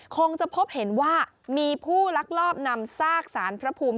คงจะพบเห็นว่ามีผู้ลักลอบนำซากสารพระภูมิ